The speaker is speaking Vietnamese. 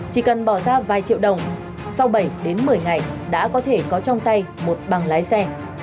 chỉ cần bỏ ra vài triệu đồng sau bảy đến một mươi ngày đã có thể có trong tay một bằng lái xe